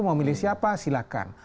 mau pilih siapa silakan